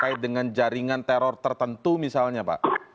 terkait dengan jaringan teror tertentu misalnya pak